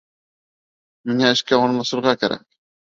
Миңә эшкә урынлашырға кәрәк.